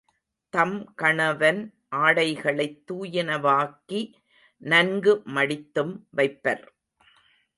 தம் கணவன் ஆடைகளைத் தூயனவாக்கி நன்கு மடித்தும் வைப்பர்.